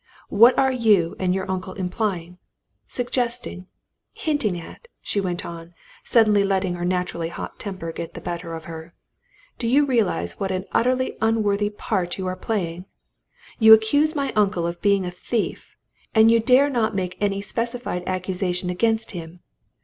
What are you and your uncle implying, suggesting, hinting at?" she went on, suddenly letting her naturally hot temper get the better of her. "Do you realize what an utterly unworthy part you are playing? You accuse my uncle of being a thief and you dare not make any specified accusation against him!